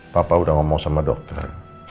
papa udah ngomong sama dokter